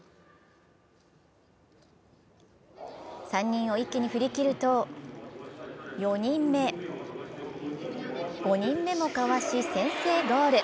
３人を一気に振り切ると、４人目、５人目もかわし先制ゴール。